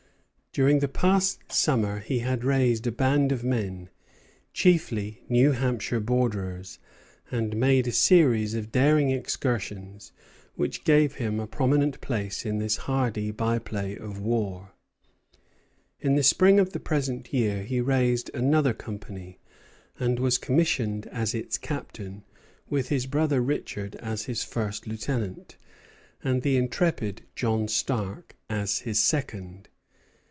During the past summer he had raised a band of men, chiefly New Hampshire borderers, and made a series of daring excursions which gave him a prominent place in this hardy by play of war. In the spring of the present year he raised another company, and was commissioned as its captain, with his brother Richard as his first lieutenant, and the intrepid John Stark as his second.